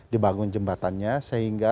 dibangun jembatannya sehingga